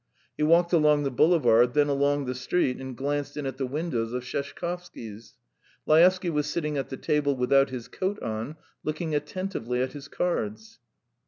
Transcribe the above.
..." He walked along the boulevard, then along the street, and glanced in at the windows of Sheshkovsky's. Laevsky was sitting at the table without his coat on, looking attentively at his cards.